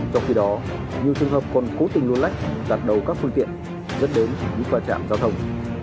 trong khi đó nhiều trường hợp còn cố tình luôn lách đặt đầu các phương tiện dẫn đến những pha trạm giao thông